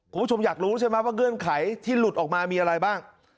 คุณผู้ชมอยากรู้ใช่ไหมว่าเงื่อนไขที่หลุดออกมามีอะไรบ้าง